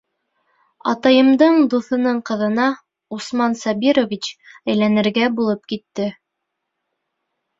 Атайымдың дуҫының ҡыҙына Усман Сабирович әйләнергә булып китте.